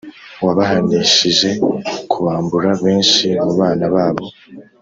wabahanishije kubambura benshi mu bana babo,